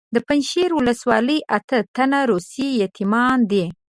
د پنجشیر ولسوالۍ اته تنه روسي یتیمان دي.